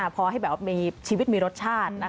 พอให้มีชีวิตมีรสชาติ